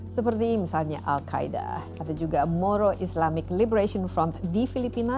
seperti misalnya al qaeda ada juga moro islamic liberation front di filipina